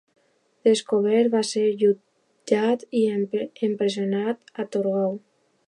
Descobert, va ser jutjat i empresonat a Torgau.